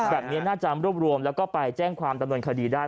แบบนี้น่าจะรวบรวมแล้วก็ไปแจ้งความดำเนินคดีได้